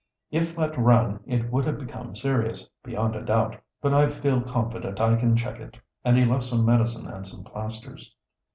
"If let run, it would have become serious, beyond a doubt; but I feel confident I can check it," and he left some medicine and some plasters.